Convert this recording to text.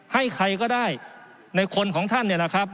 ให้ใครก็ได้ในคนของท่านเนี่ยแหละครับ